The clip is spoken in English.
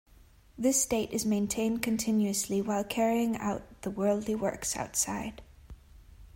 This state is maintained continuously while carrying out the worldly works outside.